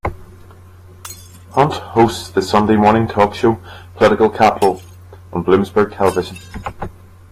Hunt hosts the Sunday morning talk show "Political Capital" on Bloomberg Television.